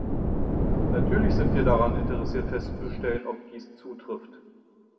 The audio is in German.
Natürlich sind wir daran interessiert festzustellen, ob dies zutrifft.